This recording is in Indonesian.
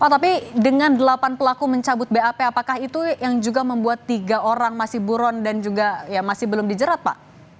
tapi dengan delapan pelaku mencabut bap apakah itu yang juga membuat tiga orang masih buron dan juga ya masih belum dijerat pak